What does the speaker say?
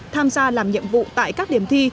tham gia làm nhiệm vụ tại các điểm thi